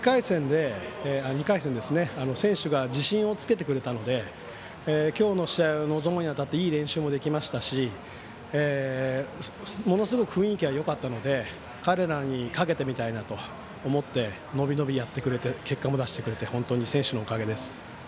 ２回戦で、選手が自信をつけてくれたので今日の試合に臨むにあたっていい練習もできましたしものすごく雰囲気がよかったので彼らにかけて伸び伸びやってくれて結果も出してくれて本当に選手のおかげです。